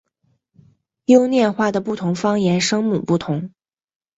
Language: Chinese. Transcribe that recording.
优念话的不同方言声母不同。